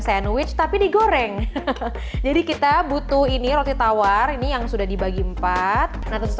sandwich tapi digoreng jadi kita butuh ini roti tawar ini yang sudah dibagi empat nah terus